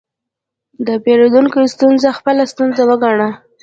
د پیرودونکي ستونزه خپله ستونزه وګڼه.